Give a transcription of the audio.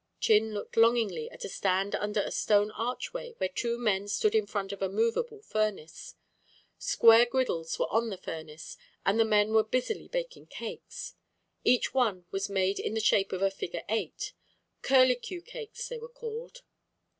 Chin looked longingly at a stand under a stone archway where two men stood in front of a movable furnace. Square griddles were on the furnace, and the men were busily baking cakes. Each one was made in the shape of the figure 8. Curlicue cakes, they were called.